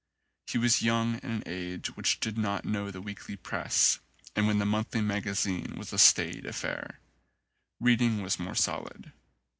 He was young in an age which did not know the weekly press and when the monthly magazine was a staid affair. Reading was more solid.